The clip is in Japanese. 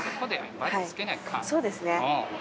そうですね。